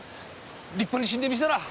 立派に死んでみせらぁ！